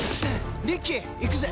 リッキーいくぜ！